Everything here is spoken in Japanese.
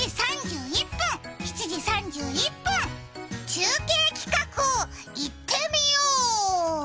中継企画、いってみよう！